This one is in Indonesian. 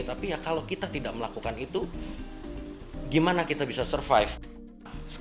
tapi ya kalau kita tidak melakukan itu gimana kita bisa survive